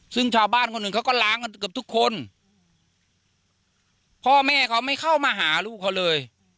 ซึ่งชาวบ้านคนหนึ่งเขาก็ล้างกันเกือบทุกคนพ่อแม่เขาไม่เข้ามาหาลูกเขาเลย